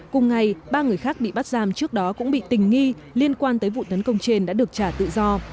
cùng ngày ba người khác bị bắt giam trước đó cũng bị tình nghi liên quan tới vụ tấn công trên đã được trả tự do